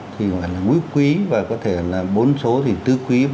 thì gọi là quý và có thể là bốn số thì tư quý